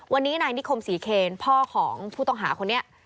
วันนี้นายนิคมศรีเคนพ่อของผู้ต้องหาคนนี้